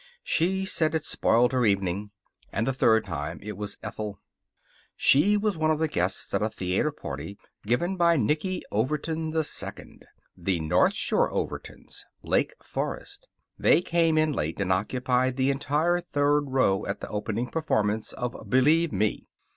She said it spoiled her evening. And the third time it was Ethel. She was one of the guests at a theater party given by Nicky Overton II. The North Shore Overtons. Lake Forest. They came in late, and occupied the entire third row at the opening performance of Believe Me!